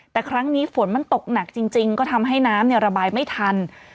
แต่ครั้งนี้ฝนมันตกหนักจริงก็ทำให้น้ำระบายไม่ทัน